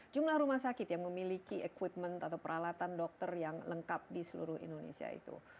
jumlah rumah sakit yang memiliki equipment atau peralatan dokter yang lengkap di seluruh indonesia itu